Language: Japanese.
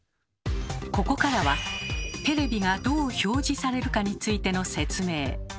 ここからはテレビがどう「表示」されるかについての説明。